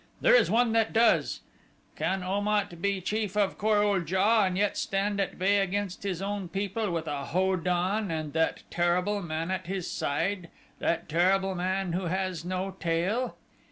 There is one that does: Can Om at be chief of Kor ul JA and yet stand at bay against his own people with a Ho don and that terrible man at his side that terrible man who has no tail?